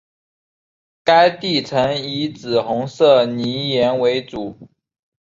该地层以紫红色泥岩为主。